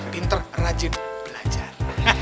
pinter rajin belajar